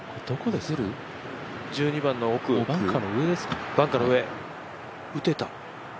１２番の奥、バンカーの上。